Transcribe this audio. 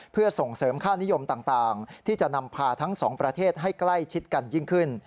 เพื่อส่งเสริมค่านิยมต่างที่จะนำพาทั้งสองประเทศให้ใกล้ชิดกันยิ่งขึ้น